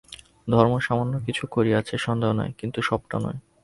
ধর্ম সামান্য কিছু করিয়াছে সন্দেহ নাই, কিন্তু সবটা নয়।